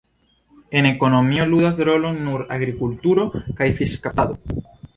En ekonomio ludas rolon nur agrikulturo kaj fiŝkaptado.